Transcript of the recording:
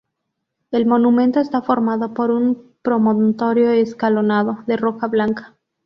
El monumento está formado por un promontorio escalonado, de roca blanca.